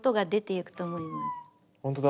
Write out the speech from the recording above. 本当だ。